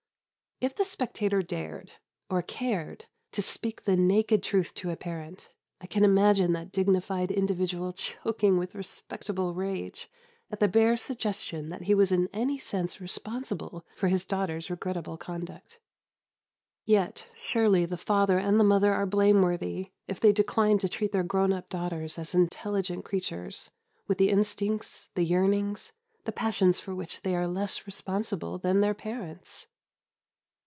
If the spectator dared, or cared, to speak the naked truth to a parent, I can imagine that dignified individual choking with respectable rage at the bare suggestion that he was in any sense responsible for his daughter's regrettable conduct. Yet surely the father and the mother are blameworthy, if they decline to treat their grown up daughters as intelligent creatures, with the instincts, the yearnings, the passions for which they are less responsible than their parents.